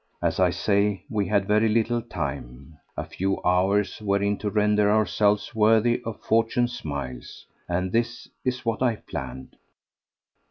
As I say, we had very little time: a few hours wherein to render ourselves worthy of Fortune's smiles. And this is what I planned.